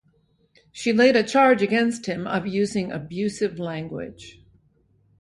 She laid a charge against him of using abusive language.